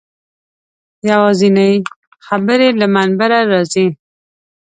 یوازینۍ خبرې له منبره راځي.